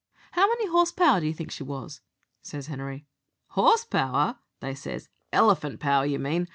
"'How many horse power do you think she was?' says Henery. "'Horse power,' they says; 'elephant power, you mean!